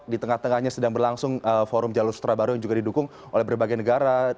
di tengah tengahnya sedang berlangsung forum jalur sutra baru yang juga didukung oleh berbagai negara